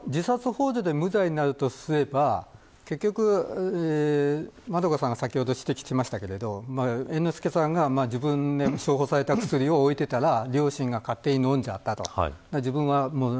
少なくともこれが自殺ほう助で無罪になるとすれば先ほど円香さんが指摘しましたけど猿之助さんが自分で処方された薬を置いてたら両親が勝手に飲んじゃった。